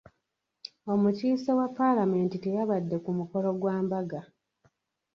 Omukiise wa palamenti teyabadde ku mukolo gwa mbaga.